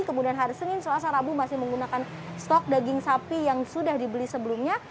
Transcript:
kemudian hari senin selasa rabu masih menggunakan stok daging sapi yang sudah dibeli sebelumnya